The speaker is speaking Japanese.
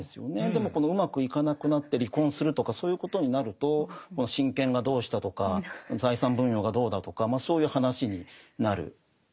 でもこのうまくいかなくなって離婚するとかそういうことになると親権がどうしたとか財産分与がどうだとかそういう話になる。